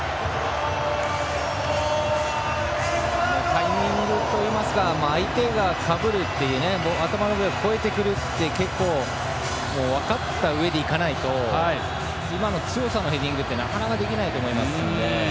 タイミングといいますか相手がかぶるという頭の上を越えてくるって結構、分かったうえで行かないと今の強さのヘディングはなかなかできないと思いますので。